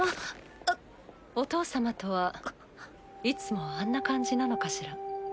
お父様とはいつもあんな感じなのかしら？